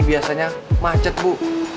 biasanya macet bu